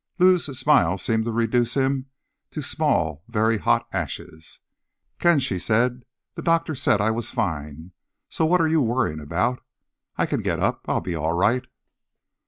Lou's smile seemed to reduce him to small, very hot ashes. "Ken," she said, "the doctor said I was fine, so what are you worrying about? I can get up. I'll be all right."